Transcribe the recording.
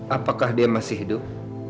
apakah dia masih hidup